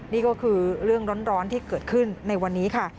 นี่ก็คือเรื่องร้อนที่เกิดขึ้นในวันนี้ค่ะ